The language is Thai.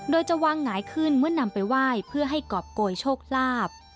โดยจะวางหงายขึ้นเมื่อนำไปไหว้เพื่อให้กรอบโกยโชคลาภ